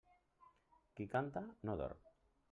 Qui canta no dorm.